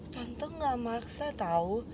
tante gak maksa tau